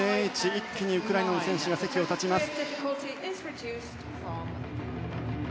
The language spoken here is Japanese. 一気にウクライナの選手が席を立ちます。